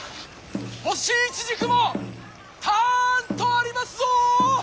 干しイチジクもたんとありますぞ！